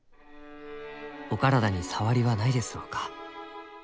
お体に障りはないですろうか？